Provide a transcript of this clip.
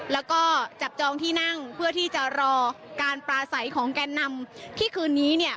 แล้วก็จับจองที่นั่งเพื่อที่จะรอการปลาใสของแกนนำที่คืนนี้เนี่ย